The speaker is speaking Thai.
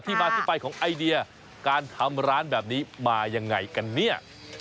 มาที่ไปของไอเดียการทำร้านแบบนี้มายังไงกันเนี่ย